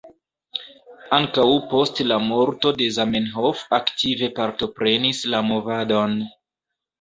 Ankaŭ post la morto de Zamenhof aktive partoprenis la movadon.